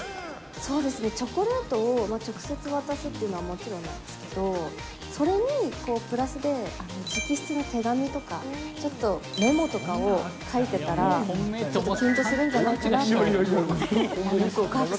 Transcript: チョコレートを直接渡すっていうのはもちろんなんですけど、それにプラスで、直筆の手紙とかちょっとメモとかを書いてたら、きゅんとするんじゃないかなと思います。